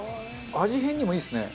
味変にもいいですね。